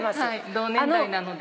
同年代なので。